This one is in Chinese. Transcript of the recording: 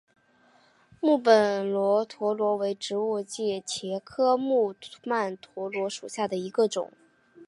木本曼陀罗为植物界茄科木曼陀罗属下的一种。